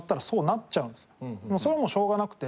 それはもうしょうがなくて。